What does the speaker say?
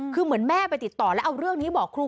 คือเหมือนแม่ไปติดต่อแล้วเอาเรื่องนี้บอกครู